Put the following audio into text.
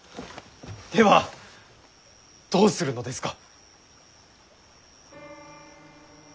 ではどうするのですか。